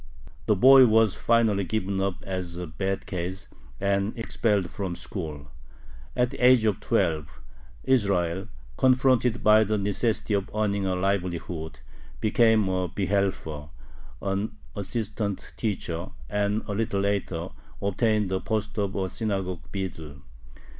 The boy was finally given up as a bad case, and expelled from school. At the age of twelve, Israel, confronted by the necessity of earning a livelihood, became a behelfer, an assistant teacher, and, a little later, obtained the post of a synagogue beadle.